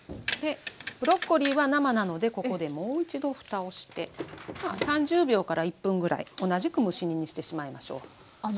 ブロッコリーは生なのでここでもう一度ふたをして３０秒から１分ぐらい同じく蒸し煮にしてしまいましょう。